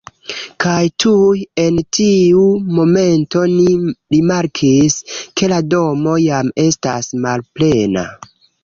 Kaj tuj en tiu momento ni rimarkis, ke la domo jam estas malplena